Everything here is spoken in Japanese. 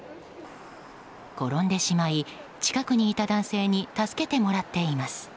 転んでしまい近くにいた男性に助けてもらっています。